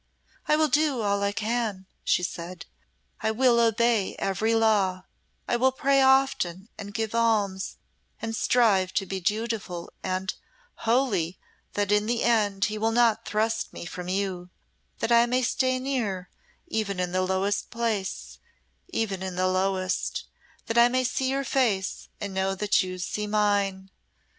"I will do all I can," she said. "I will obey every law, I will pray often and give alms, and strive to be dutiful and holy, that in the end He will not thrust me from you; that I may stay near even in the lowest place, even in the lowest that I may see your face and know that you see mine.